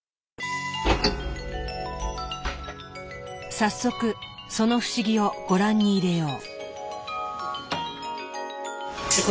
早速その不思議をご覧に入れよう。